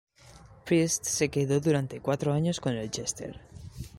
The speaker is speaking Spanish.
Priest se quedó durante cuatro años con el Chester.